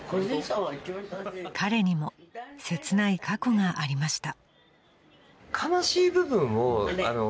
［彼にも切ない過去がありました］